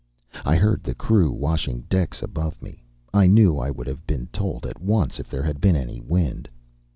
I heard the crew washing decks above me. I knew I would have been told at once if there had been any wind.